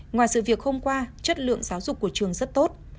ngoài sự việc hôm qua chất lượng giáo dục của trường rất tốt